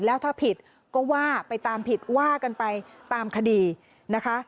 แล้วถ้าผิดก็ว่าไปตามผิดว่ากันไปตามคดีนะคะ